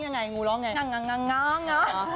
ยิงงูร้องยังไงงง